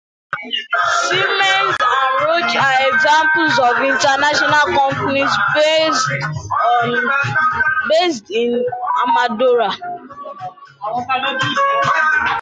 Siemens and Roche are examples of international companies based in Amadora.